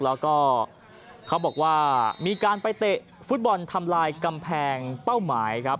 แล้วก็เขาบอกว่ามีการไปเตะฟุตบอลทำลายกำแพงเป้าหมายครับ